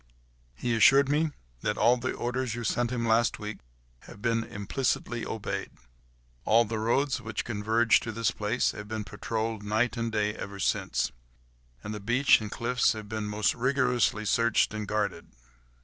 "He assured me that all the orders you sent him last week have been implicitly obeyed. All the roads which converge to this place have been patrolled night and day ever since: and the beach and cliffs have been most rigorously searched and guarded."